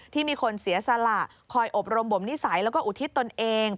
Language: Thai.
ที่มีคนเสียสละคอยอบรมบ่มนิสัยแล้วก็อุทิศตนเอง